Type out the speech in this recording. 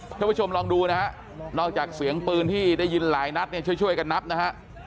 ท่านผู้ชมลองดูนะฮะนอกจากเสียงปืนที่ได้ยินหลายนัดเนี่ยช่วยกันนับนะฮะ